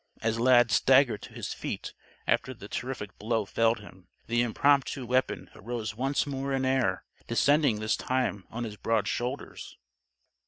As Lad staggered to his feet after the terrific blow felled him, the impromptu weapon arose once more in air, descending this time on his broad shoulders.